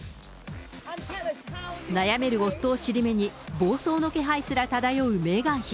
悩める夫をしり目に、暴走の気配すら漂うメーガン妃。